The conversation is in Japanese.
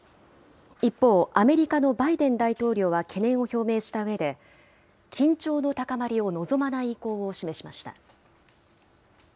一方、アメリカのバイデン大統領は懸念を表明したうえで、緊張の高まりを望まない意向を示しました。